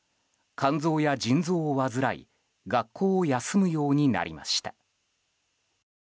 肝臓や腎臓を患い学校を休むようになりました。